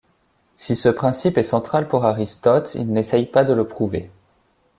Si ce principe est central pour Aristote, il n'essaye pas de le prouver.